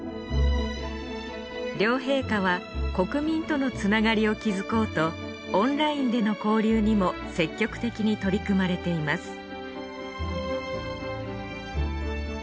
両陛下は国民とのつながりを築こうとオンラインでの交流にも積極的に取り組まれています